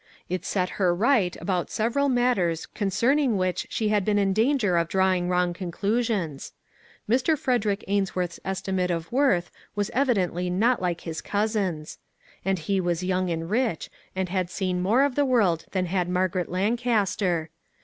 It set her right about several mat ters concerning which she had been in danger of drawing wrong conclusions. Mr. Frederick Ainsworth's estimate of worth was evidently not like his cousin's. And he was young and rich, and had seen more of the world than had Margaret Lancaster.